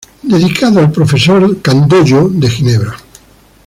Dedicated to Professor De Candolle of Geneva".